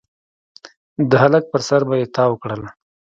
د هلک پر سر به يې تاو کړل.